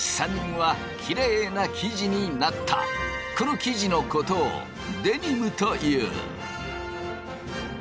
この生地のことをデニムという。